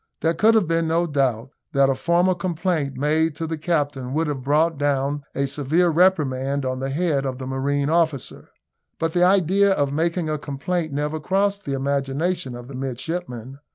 There could have been no doubt that a formal complaint made to the captain would have brought down a severe reprimand on the head of the marine officer, but the idea of making a complaint never crossed the imagination of the midshipman.